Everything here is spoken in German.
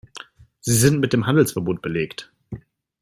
Sie sind mit dem Handelsverbot belegt.